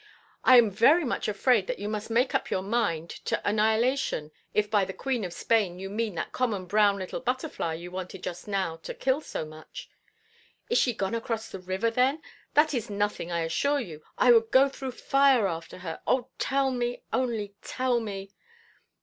]—"I am very much afraid you must make up your mind to annihilation, if by the 'Queen of Spain' you mean that common brown little butterfly you wanted just now to kill so much." "Is she gone across the river, then? That is nothing, I assure you. I would go through fire after her. Oh, tell me, only tell me."